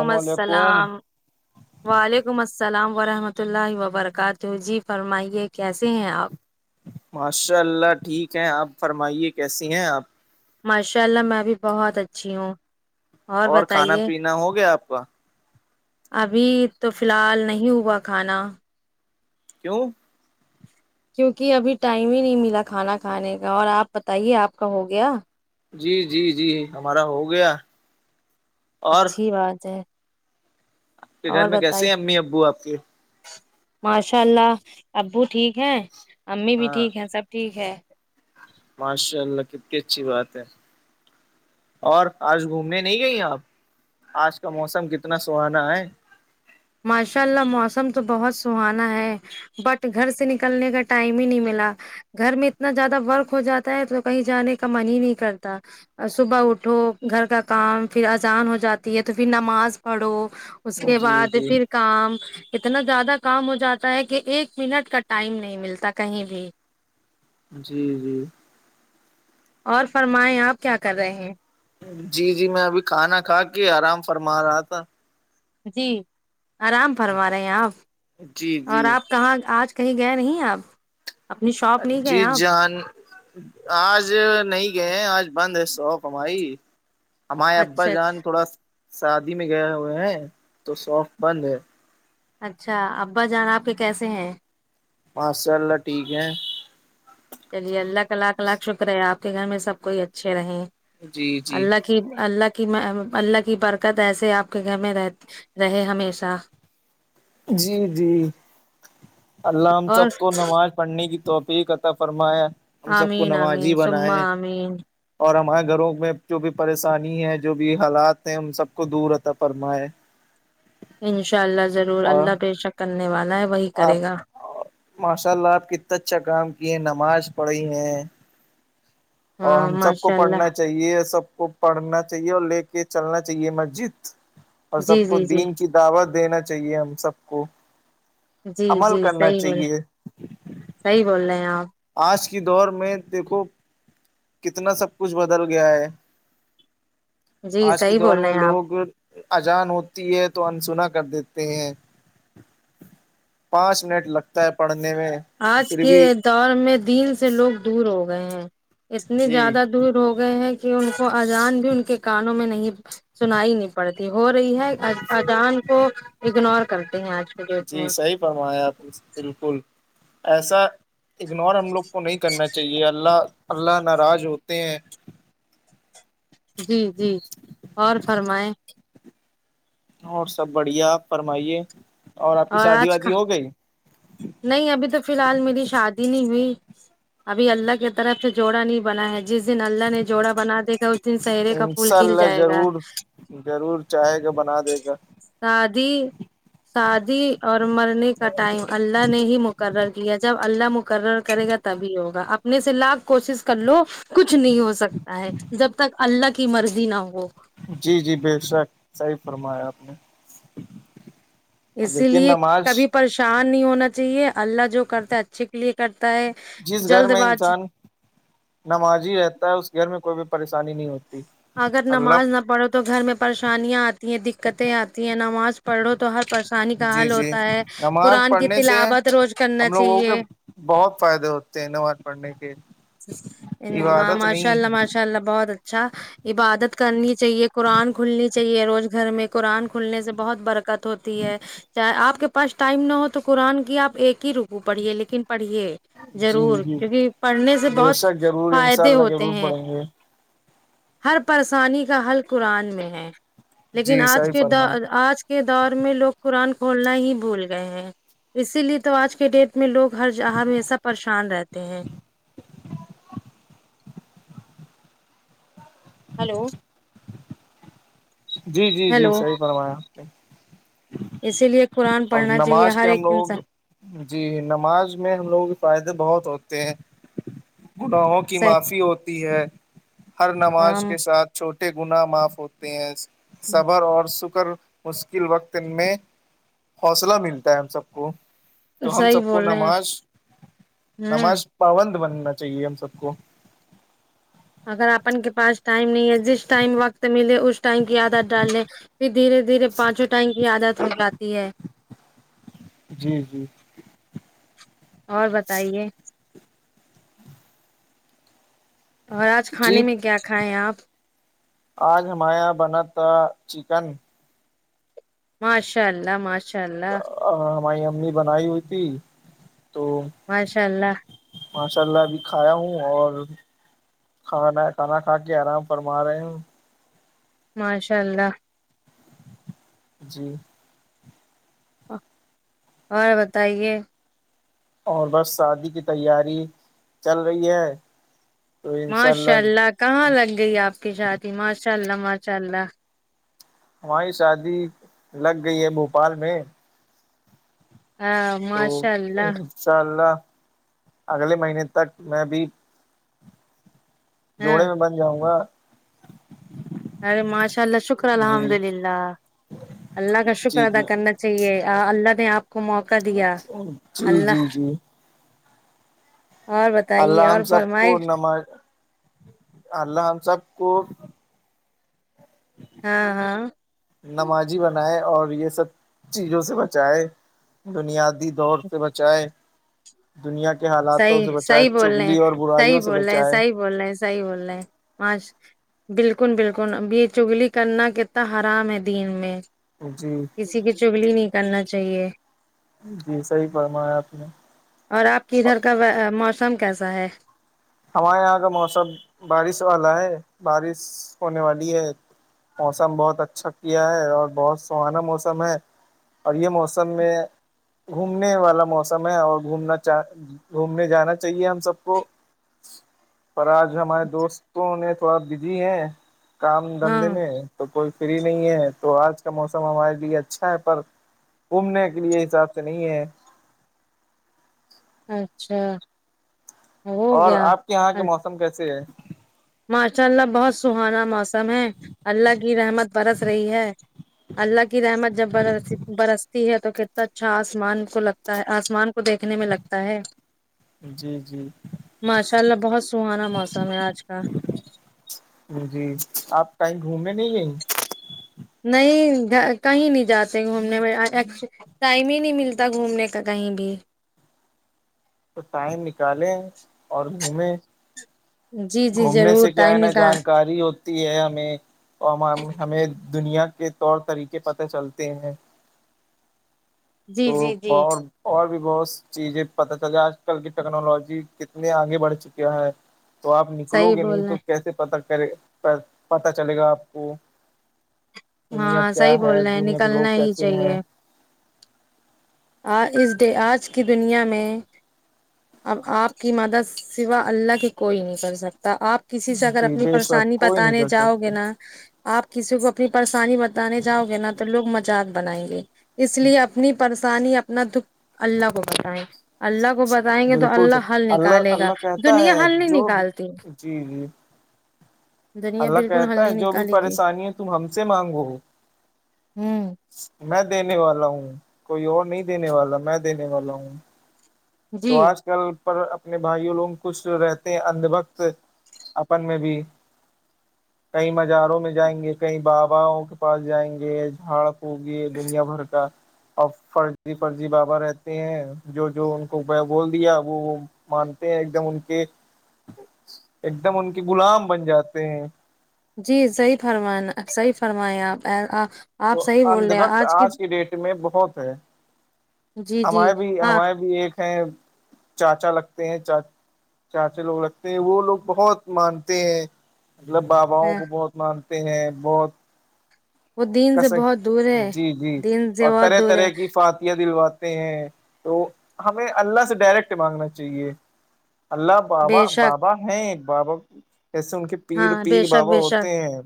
عم علیکم السلام وعلیکم السلام ورحمۃ اللہ وبرکاتہ جی فرمائیے کیسے ہیں آپ ماشاء اللہ ٹھیک ہے آپ فرمائیے کیسی ہیں آپ ماشاء اللہ میں بھی بہت اچھی ہوں اور کھانا بتائیے پینا ہو گیا آپ کا ابھی تو فی الحال نہیں ہوا کھانا کیوں کیوںکہ ابھی ٹائم ہی نہیں ملا کھانا کھانے کا اور آپ بتائیے آپ کا ہو گیا جی جی جی ہمارا ہو گیا اور اچھی بات ہے آپ کے گھر اور میں کیسے بتائیے ہیں امی ابو آپ کے ماشاء اللہ ابو ٹھیک ہیں امی بھی ہاں ٹھیک ہیں سب ٹھیک ہے ماشاء اللہ کتنی اچھی بات ہے اور آج گھومنے نہیں گئی آپ آج کا موسم کتنا سہانا ہے ماشاء اللہ موسم تو بہت سہانا ہے بٹ گھر سے نکلنے کا ٹائم ہی نہیں ملا گھر میں اتنا زیادہ ورق ہو جاتا ہے تو کہیں جانے کا من ہی نہیں کرتا صبح اٹھو گھر کا کام پھر اذان ہو جاتی ہے تو پھر نماز پڑھو اس کے جی بعد جی پھر کام اتنا زیادہ کام ہو جاتا ہے کہ ایک منٹ کا ٹائم نہیں ملتا کہیں بھی جی جی اور فرمائیں آپ کیا کر رہے ہیں جی جی میں ابھی کھانا کھا کے آرام فرما رہا تھا جی آرام فرما رہے ہیں آپ جی اور جی آپ کہاں آج کہیں گئے نہیں آپ اپنی شاپ نہیں گئے جی آپ جان آج نہیں گئے آج بند ہے سو کمائی ہمارے ابا اچھا جان تھوڑا شادی میں گئے ہوئے ہیں تو سوف بند ہے اچھا ابا جانا آپ کے کیسے ہیں ماشاء اللہ ٹھیک ہے چلیے اللہ کا الاکق الاکھ شکر ہے آپ کے گھر میں سب کوئی اچھے رہے جی جی کہ اللہ کی اللہ کی برکت ایسے آپ کے گھر میں رہتی رہے ہمیشہ جی جی الل ہم اور سب کو نماز پڑھنے کی توفی قطا فرمایا ہم سب کو آمین نمازی آمین سما بنائے آمین اور ہمارے گھروں میں جو بھی پریشانی ہے جو بھی حالات ہیں ان سب کو دور رہتا فرمائے انشاء اللہ ضرور اور اللہ پیشک کرنے والا ہے وہی آپ کرے گا ماشاء اللہ آپ کتنا اچھا کام کیے ہیں نماز پڑھی ہیں اور ہاں ہم سب کو ماشاء پڑھنا اللہ چاہ چاہیے سب کو پڑھنا چاہیے اور لے کے چلنا چاہیے مسجد اور جی سب کو جی جی دین کی دعوت دینا چاہیے ہم سب کو جی عمل جی کرنا صحیح بول چاہیے صحیح بول رہے ہیں آپ آج کے دور میں دیکھو کتنا سب کچھ بدل گیا ہے جی آج کے صحیح دور بول رہے میں ہیں آپ لوگ اجان ہوتی ہے تو انسنا کر دیتے ہیں پانچ منٹ لگتا ہے پڑھنے میں آج پھر کے بھی دور میں دن سے لوگ دور ہو گئے ہیں اتنی جی زیادہ دور ہو گئے ہیں کہ ان کو اجان بھی ان کے کانوں میں نہیں سنائی نہیں پڑتی ہو رہی ہے اچان کو اگنور کرتے ہیں آج کے ڈیٹ میں بمایا بالکل ایسا اگنور ہم لوگ کو نہیں کرنا چاہیے اللہ اللہ ناراض ہوتے ہیں جی جی اور فرمائیں اور سب بڑھیاپ فرمائیے اور آپ کی شادی آج کا وادی ہو گئی نہیں ابھی تو فی الحال میری شادی نہیں ہوئی ابھی اللہ کی طرف سے جوڑا نہیں بنا ہے جس دن اللہ نے جوڑا بنا دیکھا اس دن سہرے کا پھول انشاء کھل اللہ جائے گا ضرور ضرور چاہے گا بنا دے گا شادی شادی اور مرنے کا ٹائم نے ہی مقرر کیا ج اللہ مقرر کرے گا تبھی ہوگا اپنے سے لاکھ کوشش کر لو کچھ نہیں ہو سکتا ہے جب تک اللہ کی مرضی نہ ہو جی جی بے شک صحیح فرمایا آپ نے اسی لیکن لیے نماز کبھی پریشان نہیں ہونا چاہیے اللہ جو کرتا ہے اچھے کے لیے کرتا ہے جس گھر جلد میں باز انسان نمازی رہتا ہے اس گھر میں کوئی بھی پریشانی نہیں ہوتی اگر اللہ نماز نہ پڑھو تو گھر میں پریشانیاں آتی ہیں دقتیں آتی ہیں نماز پڑھو تو ہر پریشانی کا جی حل جی ہوتا ہے نماز قرآن کی پڑھنے سے تلاوت روز کرنا ہم لوگوں کے چاہیے بہت فائدے ہوتے ہیں انو پڑھنے کے ہاں عبادت ماشاء نہیں اللہ ہے ماشاء اللہ بہت اچھا عبادت کرنی چاہیے قرآن کھلنی چاہیے روز گھر میں قرآن کھلنے سے بہت برکت ہوتی ہے چاہے آپ کے پاس ٹائم نہ ہو تو قرآن کی آپ ایک ہی رکو پڑھیے لیکن پڑھیے جی ضرور جی کیونکہ پڑھنے سے بے بہت شک ضرور انشاء فائدے اللہ ہوتے ہیں [unintelligible] ہر پشانی کا حل قرآن میں ہے لیکن جی آج صحیح کے د فرمایا آج کے دور میں لوگ قرآن کھولنا ہی بھول گئے ہیں اسی لیے تو آج کے ڈیٹ میں لوگ ہر جاں ہ ہمیشہ پریشان رہتے ہیں ہلو جی جی جی ہیلو صحیح فرمایں آپ نے اسی لیے قرآن اور پڑھنا چاہیے نماز ہر کے ہم ایک لوگ انسان جی نماز میں ہم لوگوں کے فائدے بہت ہوتے ہیں گناہوں کی سے معافی ہوتی ہے ہر نماز ہم کے ساتھ چھوٹے گناہ معاف ہوتے ہیں صبر اور سکر مشکل وقت میں حوصلہ ملتا ہے ہم سب کو تو ہم صحیح سب کو بول رہے نماز ہیں ہوں نماز پابند بننا چاہیے ہم سب کو اگر اپن کے پاس ٹائم نہیں ہے جس ٹائم وقت ملے اس ٹائمک کی عادت ڈال لیں پھر دھیرے دھیرے پانچوں ٹائم کی عادت ہو جاتی ہے جی جی اور بتائیے اور آج جی کھانے میں کیا کھائیں ہیں آپ آج ہمارے یہاں بنا تھا چکن ماشاء اللہ ماشاء اللہ ہماری امی بنائی ہوئی تھی تو ماشاء اللہ ماشاء اللہ ابھی کھایا ہوں اور کھانا کھانا کھا کے آرام فما رہے ہ ماشاء اللہ جی اور بتائیے اور بس شادی کی تیاری چل رہی ہے تو انشاء ماشاء اللہ کہاں لگ گئی آپ کی شادی ماشاء اللہ ماشاء اللہ ہماری شادی لگ گئی ہے بھوپال میں ہاں تو ماشاء اللہ انشاء اللہ اگلے مہینے تک میں بھی ہاں جوڑے میں بن جاؤں گا ارے ماشاء اللہ شکر جی الحمد للہ اللہ کا شکر جی ادا کن جی چاہیے اللہ نے آپ کو موقع دیا جی اللہ جی جی اور بتائیے اور اللہم سب فرمائے کو نماز اللہم سب کو ہاں ہاں نمازی بنائے اور یہ سب چیزوں سے بچائے بنیادی دور سے بچائے دنیا کے حالاتوں صحیح سے بچائے صحیح بول رہے ہیں چگلی اور صحیح برائیوں سے بول رہے ہیں بچائے صحیح بول رہے ہے صحیح بول رہ ہے مش بالکل بالکل اب یہ چگلی کرنا کتنا حرام ہے دین میں جی کسی کی چگلی نہیں کرنا چاہیے جی صحیح پڑھناا ہے آپ نے اور آپ کی ادھر کا موسم کیسا ہے ہمارے یہاں کا موسم بارش والا ہے بارش ہونے والی ہے موسم بہت اچھا کیا ہے اور بہت سہانا موسم ہے اور یہ موسم میں گھومنے والا موسم ہے اور گھومنا چ گھومنے جانا چاہیے ہم سب کو پر آج ہمارے دوستوں نے تھوڑا بزی ہے کام ہاں دھندے میں تو کوئی فری نہیں ہے تو آج کا موسم ہمارے لیے اچھا ہے پر گھومنے کے لیے حساب سے نہیں ہے اچھا ہو اور گیا آپ کے یہاں کے موسم کیسے ہے ماشاء اللہ بہت سہانا موسم ہے اللہ کی رحمت برس رہی ہے اللہ کی رحمت جب بر برسی ہے تو کتنا اچھا آسمان کو لگتا آسمان کو دیکھنے میں لگتا ہے جی جی ماشاء اللہ بہت سہانا موسم ہے آج کال جی آپ کہیں گھومنے نہیں گیں نہیں کہیں نہیں جاتے گھومنے میں ٹائم ہی نہیں ملتا گھومنے کا کہیں بھی تو ٹائم نکالے اور گھومیں جی جی گھومنے ضرور سے کیا ٹائم ہے نا نکال جانکاری ہو ہے ہمیں اور ہم ہمیں دنیا کے طور طریقے پتہ چلتے ہیں تو جی جی جی اور اور بھی بہت س چیزیں پتہ چل آج کل کی ٹیکنالوجی کتنے آگے بڑھ چکے ہے تو آپ نکلو صحیح گے بول نہیں رہے تو کیسے پتا کرے پتا چلے گا آپ کو دنیا ہاں کیا صحیح ہے بول رہے ہیں دنیا کے لوگ نکلنا ہی کیسے چاہیے ہیں آ اس ڈے آج کی دنیا میں اب آپ کی مدد سوا اللہ کی کوئی نہیں کر سکتا آپ کسی سے اگر جی اپنی بے شک پریشانی کوئی نہیں بتانے کر جاؤ گے سکتا نا آپ کسی کو اپنی پریشانی بتانے جاؤ گے نا تو لوگ مزق بنائیں گے اس لیے اپنی پریشانی اپنا دکھ اللہ کو بتائیں اللہ کو بتائیں گے تو بالکل سے اللہ حل اللہ نکالے گا اللہ کہتا دنیا ہے حل نہیں جو نکالتی جی جی دنیا اللہ بالکل حل کہتا ہے نہیں جو بھی نکالے گی پریشانی ہے تم ہم سے مانگو ہوں میں دینے والا ہوں کوئی اور نہیں دینے والا میں دینے والا ہوں تو جی آج کل پر اپنے بھائیوں لوگ کچش رہتے ہیں اندھ بکت اپن میں بھی کئی مزاروں میں جائیں گے کئی بابا کے پاس جائیں گے جھاڑ ہوگی دنیا بھر کا اور فرضی فرضی بابا رہتے ہیں جو جو بول دیا وہ مانتے ہیں ایک دم ان کے ایک دم ان کے غلام بن جاتے ہیں جی صحیح فرم صحیح فرمائیں آپ آپ تو صحیح بول اندھ رہے ہیں وقت آج کی ڈیٹ میں بہت ہے جی جی ہمارے بھی ہاں ہمارے بھی ایک ہے چاچا لگتے ہیں چا چاچے لوگ لگتے ہیں وہ لوگ بہت مانتے ہیں مطلب باباؤں ہے کو بہت مانتے ہیں بہت وہ دین سے بہت دور صحی ہے جی جی دین سے اور بہت طرح دور ہے طرح کی فاتح دلوات ہیں تو ہمیں اللہ سے ڈائریکٹ مانگنا چاہیے اللہ بے بابا شک بابا ہیں بابا ایسے ان کے پیر ہاں بے پیر شک بابا بے ہوتے شک ہیں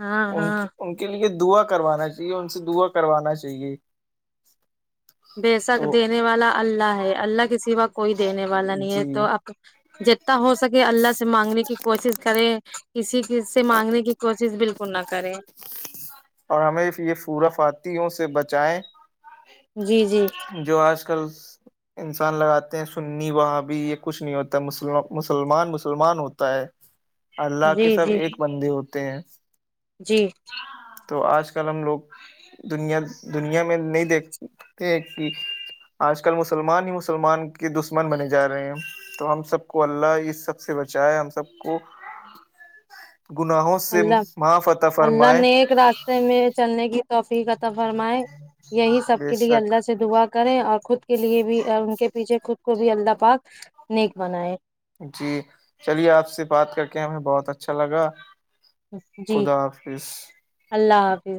ہاں ان ہاں کی ان کے ے دعا کروانا چاہیے ان سے دعا کروانا چاہیے بےسک تو دینے والا اللہ ہے اللہ کسی وق کوئی دینے والا نہیں ہے جی تو جتنا ہو سکے اللہ سے مانگنے کی کوشش کرے کسی چز سے مانگنے کی کوشش بالکل نہ کریں اور ہمیں یہ پورف آتیوں سے بچائیں جی جی جو آج کل انسان لگاتے ہیں سننی وہاں بھی یہ کچھ نہیں ہوتا ہےسلم مسلمان مسلمان ہوتا ہے [unintelligible] اللہ کے جی سب جی ایک بندے ہوتے ہیں جی تو آج کل ہم لوگ دنیا دنیا میں نہیں دیکھ کہ آج کل مسلمان ہی مسلمان کے دشمن بنے جا رہے ہیں تو ہم سب کو اللہ اس سب سے بچائے ہم سب کو گناہوں سے اللہ مہا فتح اللہ فرمائےیں نیک راستے میں چلنے کی توحفیقت فرمائے یہی سب بے کے لیے شک اللہ سے دعا کریں اور خود کے لیے بھی ان کے پیچھے خود کو بھی اللہ پاک نیک بنائے جی چلیے آپ سے بات کر کے ہمیں بہت اچھا لگا جی خدا حافظ اللہ حافظ